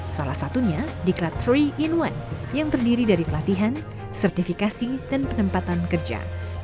salah satunya diklat tiga in satu yang terdiri dari pelatihan sertifikasi dan penempatan kerja